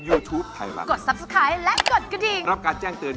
ร้องได้ให้ร้าง